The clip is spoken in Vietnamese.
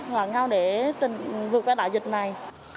ngoan để vượt qua đại dịch này